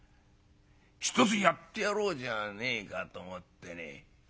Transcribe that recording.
ひとつやってやろうじゃねえかと思ってねえ？